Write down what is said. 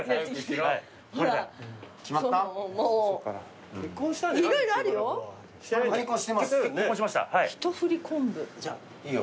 結婚しましたはい。